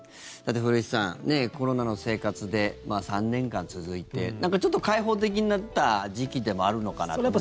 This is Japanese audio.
古市さん、コロナの生活で３年間続いてちょっと解放的になった時期でもあるのかなと思いますけど。